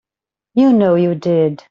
You know you did.